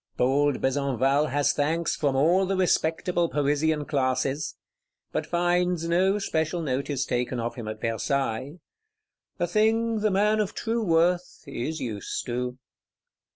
Bold Besenval has thanks from all the respectable Parisian classes; but finds no special notice taken of him at Versailles,—a thing the man of true worth is used to.